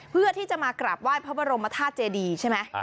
เพื่อที่จะมากราบไหว้พระบรมธาตุเจดีใช่ไหม